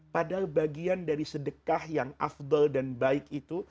padahal bagian dari sedekah yang afdol dan baik itu